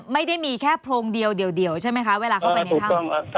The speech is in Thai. ไม่ได้มีแค่โพรงเดียวใช่ไหมคะเวลาเข้าไปในถ้ำ